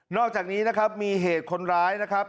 อกจากนี้นะครับมีเหตุคนร้ายนะครับ